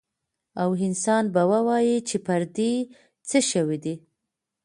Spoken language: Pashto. او انسان به ووايي چې پر دې څه شوي دي؟